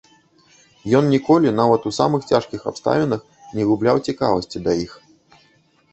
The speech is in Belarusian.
Ён ніколі, нават у самых цяжкіх абставінах, не губляў цікавасці да іх.